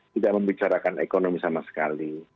tidak membicarakan ekonomi sama sekali